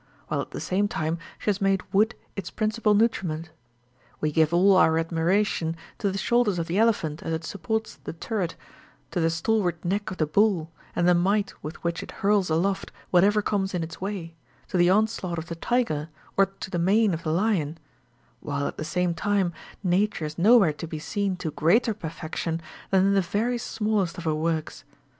while at the same time she has made wood its principal nutriment. We give all our admiration to the shoulders of the elephant as it supports the turret, to the stalwart neck of the bull, and the might with which it hurls aloft whatever comes in its way, to the onslaught of the tiger, or to the mane of the lion ; while, at the same time, Nature is nowhere to be seen to greater perfection than in the very smallest of her works.